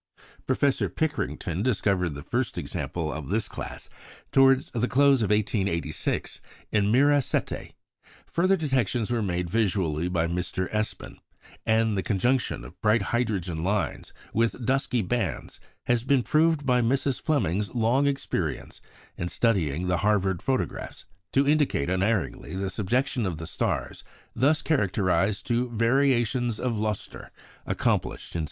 Professor Pickering discovered the first example of this class, towards the close of 1886, in Mira Ceti; further detections were made visually by Mr. Espin; and the conjunction of bright hydrogen lines with dusky bands has been proved by Mrs. Fleming's long experience in studying the Harvard photographs, to indicate unerringly the subjection of the stars thus characterised to variations of lustre accomplished in some months.